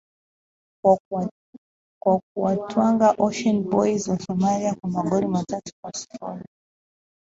kwa kuwatwanga ocean boys wa somalia kwa magoli matatu kwa sufuri